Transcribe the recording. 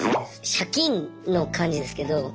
借金の感じですけど。